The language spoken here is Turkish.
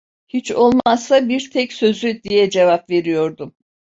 Hiç olmazsa bir tek sözü… diye cevap veriyordum.